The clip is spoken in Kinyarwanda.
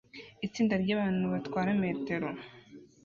Itsinda ryabantu batwara metero